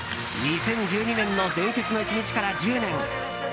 ２０１２年の「伝説の一日」から１０年。